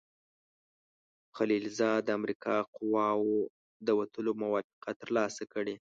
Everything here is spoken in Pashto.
خلیلزاد د امریکایي قواوو د وتلو موافقه ترلاسه کړې.